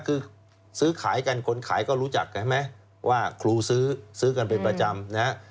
คือซื้อขายกันคนขายก็รู้จักกันไหมว่าครูซื้อซื้อกันเป็นประจำนะฮะ